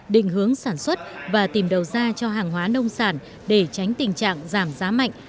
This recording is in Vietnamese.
định hướng sản xuất và tìm đầu ra cho hàng hóa nông sản để tránh tình trạng giảm giá mạnh